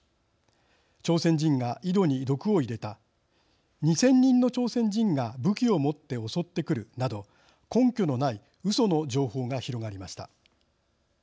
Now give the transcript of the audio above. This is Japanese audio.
朝鮮人が井戸に毒を入れた２０００人の朝鮮人が武器を持って襲ってくるなど根拠のないうその情報が広がりました。